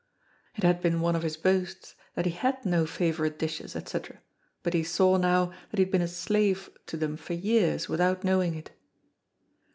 It had been one of his boasts that he had no favorite dishes, etc., but he saw now that he had been a slave to them for years without knowing it.